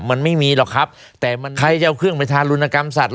มันไม่มีหรอกครับแต่มันใครจะเอาเครื่องไปทารุณกรรมสัตว